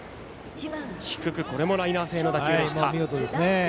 低くこれもライナー性の打球でした。